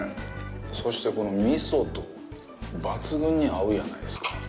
そして、この味噌と抜群に合うやないですか。